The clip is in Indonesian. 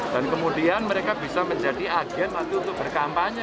dan kemudian mereka bisa menjadi agen untuk berkampanye